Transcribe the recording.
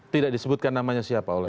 tidak disebutkan namanya siapa oleh